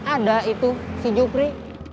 ada itu si jupri